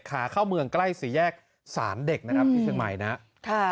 ขาเข้าเมืองใกล้สี่แยกสารเด็กนะครับที่เชียงใหม่นะครับ